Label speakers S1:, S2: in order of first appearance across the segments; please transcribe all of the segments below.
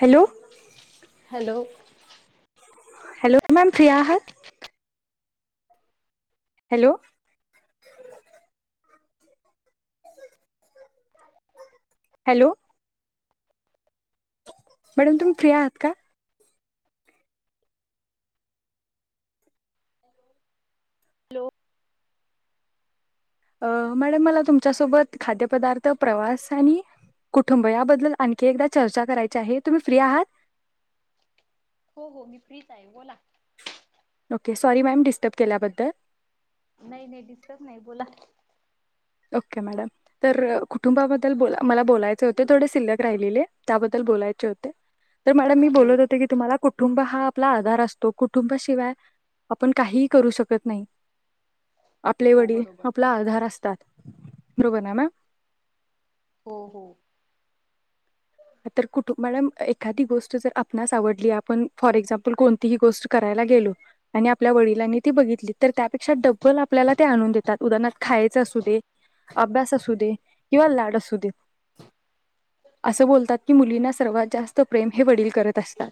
S1: [inaudible] Hello
S2: [inaudible] hello [unintelligible]
S1: hello ma'am free आहात का? Hello [unintelligible] [unintelligible] hello madam तुम्ही फ्री आहात का?
S2: हॅलो
S1: अ मॅडम मला तुमच्या सोबत खाद्य पदार्थ प्रवास आणि कुटुंब या बद्दल आणखी एकदा चर्चा करायची आहे तुम्ही फ्री आहात?
S2: हो, हो मी फ्रीचं आहे बोला.
S1: ओके सॉरी मॅडम डिस्टर्ब केल्याबद्दल.
S2: नाही नाही डिस्टर्ब नाही बोला.
S1: ओके मॅडम, तर कुटुंबा बद्दल मला बोलायचे होते. थोडे शिल्लक राहिलेले त्याबद्दल बोलायचे होते. तर मॅडम मी
S2: हा बोल
S1: बोलत होती की तुम्हाला कुठ कुटुंब हा आपला आधार असतो कुटुंबाशिवाय आपण काहीही करू शकत नाही. आपले
S2: हो
S1: वडील
S2: बरोबर
S1: आपला आधार असतात. बरोबर ना मॅम?
S2: हो, हो
S1: हा तर कुट, मॅडम एखादी गोष्ट जर आपणास आवडली आपण फॉर एक्झाम्पल कोणती गोष्ट करायला गेलो आणि आपल्या वडिलांनी ती बघितलं त्यापेक्षा डबल आपल्याला त्या आणून देणार उदाहरणात खायचं असूदे, अभ्यास असुदे किंवा लाड असूदे असं कोणतंच त्यात की मुलींना सर्वात जास्त प्रेम हे वडील करत असतात.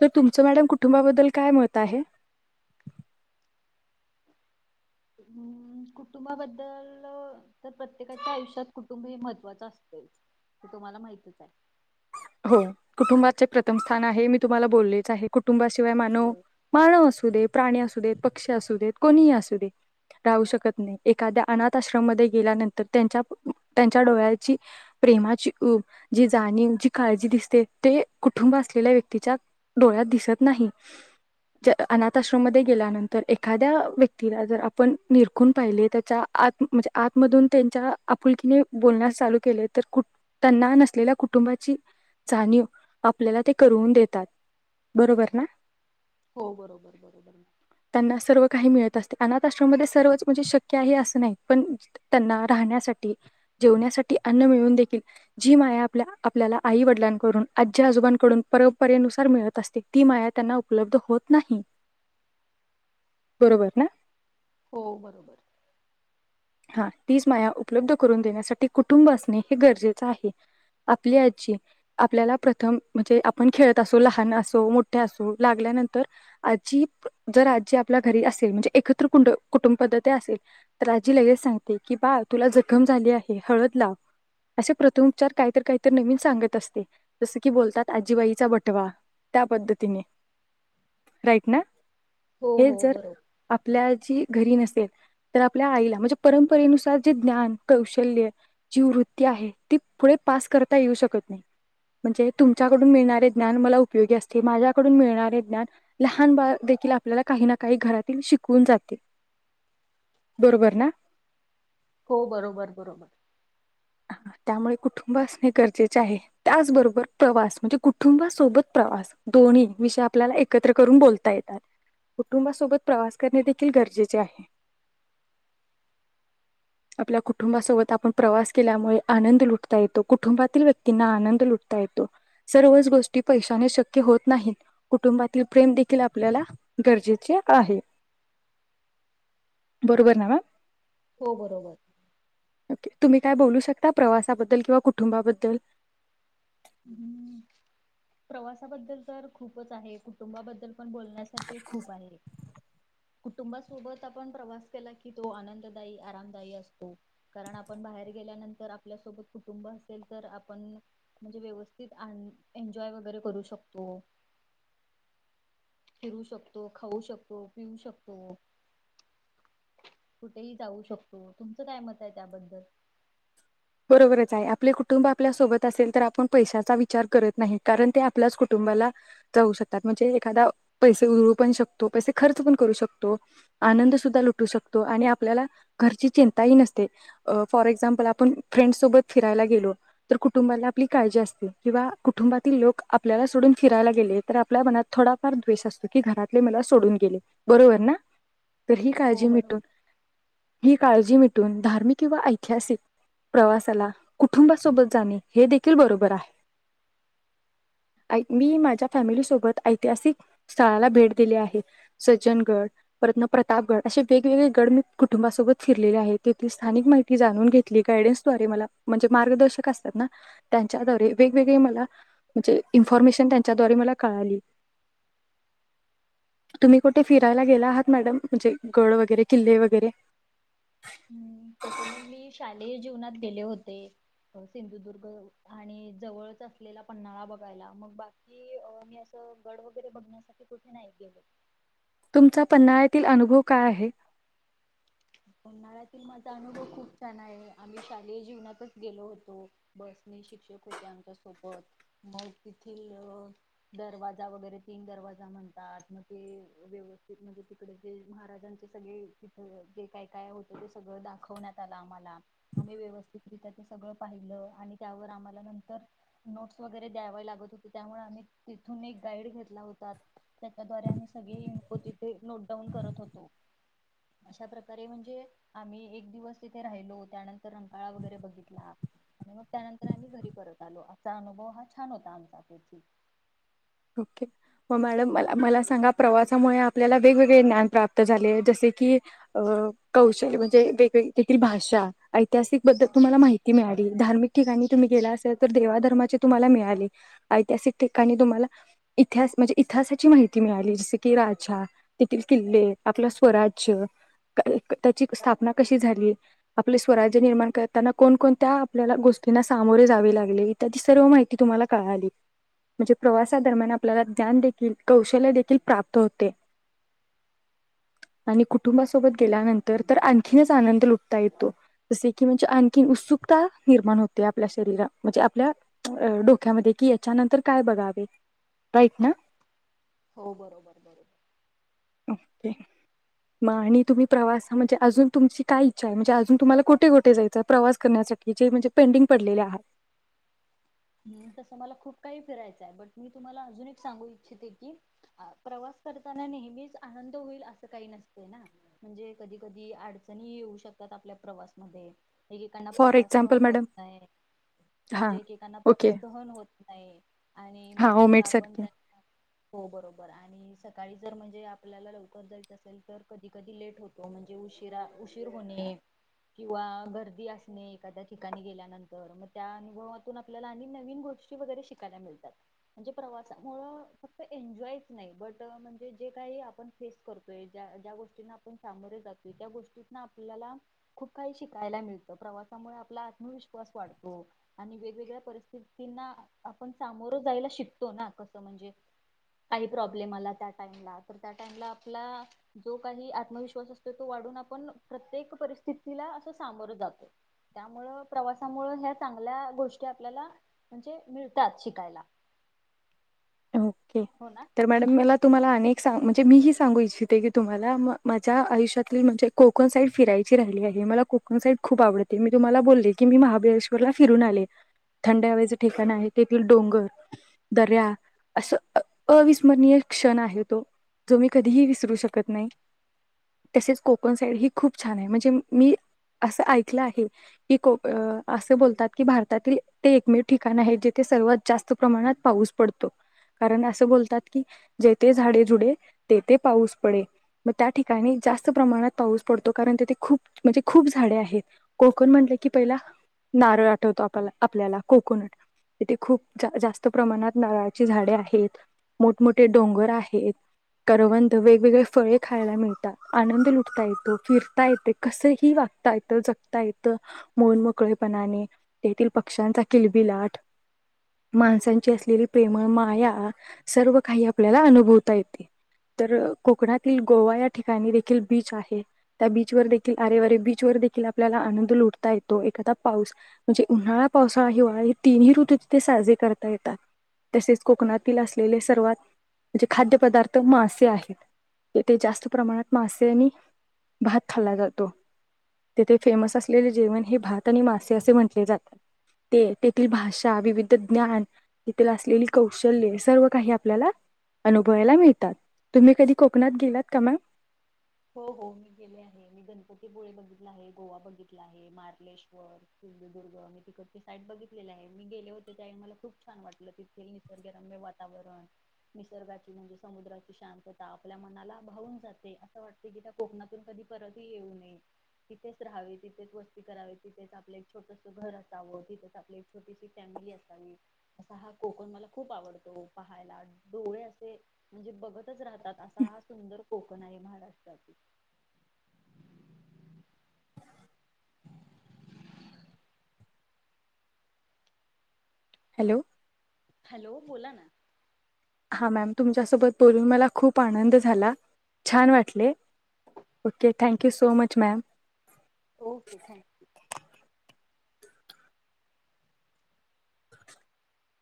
S1: तर तुमचं मॅडम कुटुंबाबद्दल काय मत आहे?
S2: हं कुटुंबाबद्दल तर प्रत्येकाच्या आयुष्यात कुटुंब हे महत्वाच असतंय. हे तुम्हाला माहीतच आहे.
S1: हो कुटुंबाचे प्रथम स्थान आहे, मी तुम्हाला बोललेच आहे. कु कुटुंबाशिवाय मानव,
S2: होय
S1: मानव असू दे प्राणी असु देत, पक्षी असु देत, कोणीही असु दे राहू शकत नाही. एखाद्या अनाथ आश्रममध्ये गेल्यानंतर त्यांच्या त्यांच्या डोळ्यांची प्रेमाची प्रेमाची ऊब जी, जाणीव जी काळजी दिसते जे कुटुंब असलेले व्यक्तीच्या डोळ्यात दिसत नाही. अनाथ आश्रमामध्ये गेल्यानंतर एखाद्या व्यक्तीला जर आपण निरखून पाहिले तर, त्याच्या आत मधून त्यांच्या आपुलकीने बोलण्यास चालू केले तर त्यांना नसलेल्या कुटुंबाची जाणीव आपल्याला ते करवून देतात बरोबर ना?
S2: हो बरोबर बरोबर
S1: त्यांना सर्व काही मिळत अस अनाथ आश्रममध्ये सर्वच म्हणजे शक्य आहे असं नाही पण त्यांना राहण्यासाठी जेवण्यासाठी अन्न मिळून देखील जी माया आपल्या आपल्याला आई वडिलांकडून, आजी आजोबांकडून परंपरेनुसार मिळत असते ती माया त्यांना उपलब्ध होत नाही. बरोबर ना?
S2: हो, बरोबर.
S1: हा तीच माया उपलब्ध करून देण्यासाठी कुटुंब असणे हे गरजेचं आहे आपली आजी आपल्याला प्रथम म्हणजे आपण खेळत असो लहान असो मोठ्या असो लागल्यानंतर आजी जर आजी आपल्या घरी असेल म्हणजे एकत्र कुं कुटुंब पद्धती असेल तर जी लगेच सांगते, की बा तुला जखम झाली आहे हळद लाव. असे प्रथम उपचार काही तर काही तर नवीन सांगत असते. जसं की बोलतात आजीबाईचा बटवा त्या पद्धतीने. राईट ना?
S2: हो
S1: हे
S2: हो
S1: जर
S2: बरोबर
S1: आपल्या जी घरी नसेल, तर आपल्या आईला म्हणजे परंपरेनुसार जे ज्ञान कौशल्य जी वृत्ती आहे ती पुढे पास करता येऊ शकत नाही. म्हणजे तुमच्याकडून मिळणारे ज्ञान मला उपयोगी असते माझ्याकडून मिळणारे ज्ञान लहान बाळ देखील आपल्याला काही ना काही घरातील शिकवून जाते. बरोबर ना?
S2: हो बरोबर, बरोबर.
S1: त्यामुळे कुटुंब असणे गरजेचे आहे त्याचबरोबर प्रवास म्हणजे कुटुंबासोबत प्रवास दोन्ही विषय आपल्याला एकत्र करून बोलता येतात. कुटुंबासोबत प्रवास करणे देखील गरजेचे आहे. आपल्या कुटुंबासोबत आपण प्रवास केल्यामुळे आनंद लुटता येतो, कुटुंबातील व्यक्तींना आनंद लुटता येतो, सर्वच गोष्टी पैशाने शक्य होत नाहीत. कुटुंबातील प्रेम देखील आपल्याला गरजेचे आहे. बरोबर ना मॅम?
S2: हो, बरोबर.
S1: ओके तुम्ही काय बोलू शकता प्रवासाबद्दल किंवा कुटुंबाबद्दल?
S2: हम्म प्रवासाबद्दल तर खूपच आहे, कुटुंबाबद्दल पण बोलण्यासारखे खूप आहे. कुटुंबासोबत आपण प्रवास केला की, तो आनंददायी, आरामदायी असतो. कारण आपण बाहेर गेल्यानंतर आपल्यासोबत कुटुंब असेल, तर आपण म्हणजे व्यवस्थित आ एन्जॉय वगैरे करू शकतो. फिरू शकतो, खाऊ शकतो, पिऊ शकतो कुठेही जाऊ शकतो. तुमचं काय मत आहे त्याबद्दल?
S1: बरोबरच आहे आपले कुटुंब आपल्यासोबत असेल तर आपण पैशाचा विचार करत नाही. कारण ते आपल्याच कुटुंबाला जाऊ शकतात, म्हणजे एखादा पैसे उधळू पण शकतो. पैसे खर्च पण करू शकतो आनंद सुद्धा लुटू शकतो आणि आपल्याला घरची चिंताही नसते. फॉर एक्झाम्पल आपण फ्रेंड सोबत फिरायला गेलो, तर कुटुंबाला आपली काळजी असते. किंवा कुटुंबातील लोक आपल्याला सोडून फिरायला गेले, तर आपल्या मनात थोडाफार द्वेष असतो, की घरातले मला सोडून गेले. बरोबर ना? तर ही
S2: हो
S1: काळजी मिटून
S2: बरोबर.
S1: ही काळजी मिटून धार्मिक किंवा ऐतिहासिक प्रवासाला कुटुंबासोबत जाणे हे देखील बरोबर आहे, आइ मी माझ्या फॅमिलीसोबत ऐतिहासिक स्थळाला भेट दिली आहे सज्जनगड, परतन प्रतापगड असे वेगवेगळे गड मी कुटुंबासोबत फिरलेले आहे तेथील स्थानिक माहिती जाणून घेतली गायडन्स तो वरी म्हणे मार्गदर्शक असतात ना त्यांच्याद्वारे वेग-वेगळे मला म्हणजे इन्फॉर्मेशन त्यांच्या द्वारे मला कळाली, तुम्ही कुठे फिरायला गेला आहात मॅडम? म्हणजे गड वगैरे, किल्ले वगैरे?
S2: हम् तसं मग मी शालेय जीवनात गेले होते, सिंधुदुर्ग आणि जवळच असलेला पन्हाळा बघायला मग, बाकी मी असं गड वगैरे बघण्यासाठी कुठे नाही गेले.
S1: तुमचा पन्नाळ्यातील अनुभव काय आहे?
S2: उन्हाळ्यातील माझा अनुभव खूप छान आहे, आम्ही शालेय जीवनातच गेलो होतो, बसने शिक्षक होते आमच्या सोबत मग, तिथील दरवाजा वगैरे, तीन दरवाजा म्हणतात मग ते व्यवस्थित म्हणजे तिकडे, ते महाराजांचे सगळे तिथं ते काय-काय होत ते सगळं दाखवण्यात आलं आम्हाला आम्ही व्यवस्थितरित्या ते सगळं पाहिलं आणि त्यावर आम्हाला नंतर नोट्स वगैरे द्यावे लागत होते, त्यामुळे आम्ही तिथून एक गाइड घेतला होता, त्याच्याद्वारे आम्ही सगळे इम्पॉजिट नोटडाऊन करत होतो, अशा प्रकार रे म्हणजे आम्ही एक दिवस तिथे राहिलो त्यानंतर रंकाळा वगैरे बघितला आणि मग त्यानंतर आम्ही घरी परत आलो अमचा अनुभव हा छान होता आमचा क्वचित
S1: ओके मग मॅडम मला मला सांगा प्रवासामुळे आपल्याला वेग-वेगळे ज्ञान प्राप्त झाले जसे की अ कौशल म्हणजे वेग-वेगळी भाषा ऐतिहासिक बद्दल तुम्हाला माहिती मिळाली धार्मिक ठिकाणी तुम्ही गेला असाल तर देवा धर्माचे तुम्हाला मिळाले, ऐतिहासिक ठिकाणी तुम्हाला इतिहास म्हणजे इतिहासाची माहिती मिळाली जसे की राजा, तेथील किल्ले, आपलं स्वराज्य क त्याची स्थापना कशी झाली, आपले स्वराज्य निर्माण करताना कोण कोणत्या आपल्याला गोष्टींना सामोरे जावे लागले, त्याची सर्व माहिती तुम्हाला कळाली म्हणजे प्रवास त्या दरम्यान आपल्याला ज्ञान देखील, कौशल्य देखील प्राप्त होते आणि कुटुंबासोबत गेल्यानंतर तर आणखीनच आनंद लुटता येतो जसे की म्हणजे आणखीन उत्सुकता निर्माण होते आपल्या शरीरा म्हणजे आपल्या अ डोक्यामध्ये कि याच्यानंतर काय बघावे? राईट ना?
S2: हो बरोबर-बरोबर
S1: म आणि तुम्ही प्रवास ह म्हणजे अजून तुमची काय इच्छा आहे म्हणजे अजून तुम्हाला कुठे-कुठे जायचं प्रवास करण्यासाठी जे म्हणजे पेंडिंग पडलेले आहात?
S2: हम्! तसं मला खूप काही फिरायचं आहे, बट मी तुम्हाला अजून एक सांगू इच्छिते की प्रवास करताना नेहमीच आनंद होईल असं काही नसते ना! म्हणजे कधी-कधी अडचणी येऊ शकतात आपल्या प्रवासमध्ये एकेकांना
S1: फॉर
S2: प्रवास
S1: एक्झाम्पल
S2: सहण होत
S1: मॅडम
S2: नाही
S1: हा
S2: म्हणजे एकेकांना
S1: ओके
S2: प्रवाससहन होत नाही आणि
S1: हा
S2: मग जर
S1: ओमेट
S2: आपण
S1: सारखे
S2: त्यांना हो बरोबर आणि सकाळी जर म्हणजे आपल्याला लवकर जायच असेल तर कधी-कधी लेट होतो म्हणजे उशीरा उशीर होणे किंवा गर्दी असणे, एखाद्या ठिकाणी गेल्यानंतर मग त्या अनुभवातून आपल्याला आणि नवीन गोष्टी वगैरे शिकायला मिळतात म्हणजे प्रवासामुळे फक्त एन्जॉयच नाही, बट म्हणजे जे काही आपन फेस करतोय ज्या ज्या गोष्टींना आपण सामोरे जातोय त्या गोष्टीतन आपल्याला खूप काही शिकायला मिळतं प्रवासामुळे आपला आत्मविश्वास वाढतो आणि वेगवेगळ्या परीस्थित्ती ना आपण सामोरं जायला शिकतो ना कसं म्हणजे काही प्रॉब्लेम आला त्या टाइमला तर त्या टाइमला आपला जो काही आत्मविश्वास असतो तो वाढून आपण प्रत्येक परिस्थितीला असं सामोर जातोय त्यामुळं, प्रवासामुळे ह्या चांगल्या गोष्टया आपल्याला म्हणजे मिळतात शिकायला
S1: ओके!
S2: हो ना.
S1: तर मॅडम मला तुम्हाला अनेक सांग म्हणजे मी ही सांगू इच्छिते की तुम्हाला म माझ्या आयुष्यातील म्हणजे कोकण साइड फिरायची राहिली आहे, मला कोकण साइड खूप आवडते मी तुम्हाला बोलले की, मी महाबळेश्वरला फिरून आले, थंड हवेचे ठिकाण आहे तेथील डोंगर, दर्या असं अ अविस्मरणीय क्षण आहे तो जो मी कधीही विसरू शकत नाही तसेच कोकण साईड ही खूप छान आहे, म्हणजे मी असं ऐकलं आहे की को असं बोलतात की भारतातील ते एकमेव ठिकाण आहे जिथे सर्वात जास्त प्रमाणात पाऊस पडतो. कारण असं बोलतात की जेथे झाडे झुडे, तेथे पाऊस पडे, मग त्या ठिकाणी जास्त प्रमाणात पाऊस पडतो कारण तेथे खूप म्हणजे खूप झाडे आहेत कोकण म्हटले की पहिला नारळ आठवतो आपला आपल्याला कोकोणट, इथे खूप जा जास्त प्रमाणात नारळ झाडे आहेत मोठमोठे डोंगर आहेत करवंद वेगवेगळे फळे खायला मिळतात आनंद लुटता येतो फिरता येते कसे ही वागता येतं, जगता येतं मोन मोकळेपणाने तेथील पक्ष्यांचा किलबि लाट माणसांची असलेली प्रेमळं, माया सर्व काही आपल्याला अनुभवता येते तर कोकणातील गोवा या ठिकाणी देखील बीच आहे त्या बीचवर देखील आरेवरे बीचवर देखील आपल्याला आनंद लुटता येतो एखादा पाऊस म्हणजे उन्हाळा, पावसा, हिवाळा हे तिन्ही ऋतू तिथे साजरे करता येतात. तसेच कोकणातील असलेले सर्वात म्हणजे खाद्यपदार्थ मासे आहेत, तेथे जास्त प्रमाणात मासे आणि भात खाल्ला जातो, तेथे फेमस असलेले जेवण हे भात आणि मासे असे म्हटले जातात ते तेथील भाषा, विविध ज्ञान तिथं असलेली कौशल्य सर्व काही आपल्याला अनुभवायला मिळतात, तुम्ही कधी कोकणात गेलात का मॅम?
S2: हो हो मी गेले आहे मी गणपतीपुळे बघितला आहे गोवा बघितला आहे मार्लेश्वर सिंधुदुर्ग मी तिकडचे साइड बघितलेली आहे मी गेले होते त्यावेळी मला खूप छान वाटलं तिथे निसर्गरम्य वातावरण निसर्गाची म्हणजे समुद्राची शांतता आपल्या मनालाभावून जाते. क त्या कोकणातून कधी परत ह येऊ नये तिथेच राहावे, तिथेच वस्ती करावी, तिथेच आपलं एक छोटस घर असावं, तिथेच आपली एक छोटीशी फॅमिली असावी, असा हा कोकण मला खूप आवडतो, पहायला डोळे असे म्हणजे बघतच राहतात असा हा सुंदर कोकण आहे महाराष्ट्र काय ते?
S1: हॅलो!
S2: हॅलो, बोला ना!
S1: हा मॅम, तुमच्यासोबत बोलून मला खूप आनंद झाला छान वाटले okay thank you so much ma'am!
S2: Okay thank you!